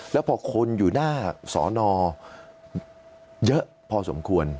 แล้วพอคนอยู่หน้าสอนอเยอะพอสมควร